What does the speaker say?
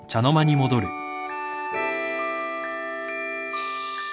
よし。